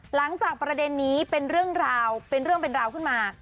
หลังจากประเด็นนี้เป็นเรื่องราวเป็นเรื่องเป็นราวขึ้นมา